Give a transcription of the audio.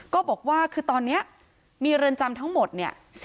ก็บอกว่าคือตอนนี้มีเรือนจำทั้งหมดเนี่ย